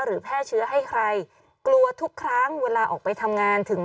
แพร่เชื้อให้ใครกลัวทุกครั้งเวลาออกไปทำงานถึง